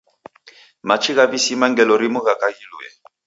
Machi gha visima ngelo rimu ghaka ghilue.